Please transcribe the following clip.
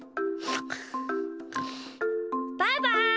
バイバイ！